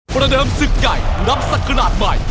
ประเดิมศึกไกรรับสักกระดาษใหม่